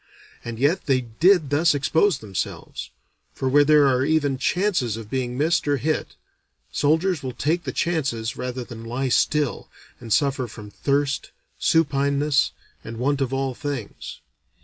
And yet they did thus expose themselves; for where there are even chances of being missed or hit, soldiers will take the chances rather than lie still and suffer from thirst, supineness, and want of all things.